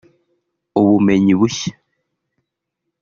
ubumenyi bushya